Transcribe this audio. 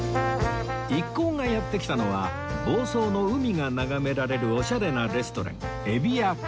一行がやって来たのは房総の海が眺められるオシャレなレストラン